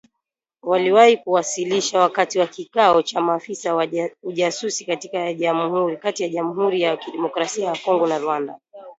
Waliwahi kuwasilishwa wakati wa kikao cha maafisa wa ujasusi kati ya Jamhuri ya Kidemokrasia ya kongo na Rwanda